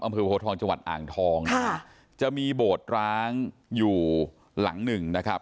อำเภอโพทองจังหวัดอ่างทองค่ะจะมีโบสถ์ร้างอยู่หลังหนึ่งนะครับ